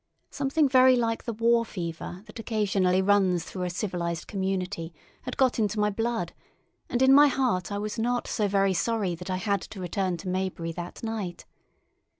Something very like the war fever that occasionally runs through a civilised community had got into my blood, and in my heart I was not so very sorry that I had to return to Maybury that night.